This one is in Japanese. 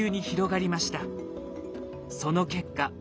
その結果。